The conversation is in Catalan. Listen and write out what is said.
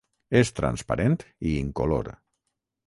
És transparent i incolor.